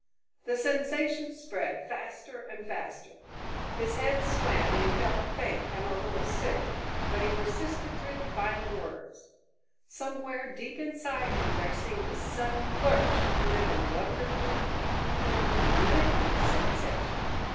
The sensation spread, faster and faster. His head swam and he felt faint and a little sick, but he persisted through the final words. Somewhere deep inside him there seemed a sudden lurch, and then a wonderfully cool, liquid sensation.